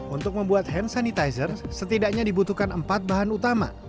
untuk membuat hand sanitizer setidaknya dibutuhkan empat bahan utama